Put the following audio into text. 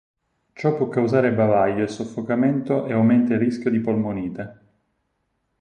Ciò può causare bavaglio e soffocamento e aumenta il rischio di polmonite.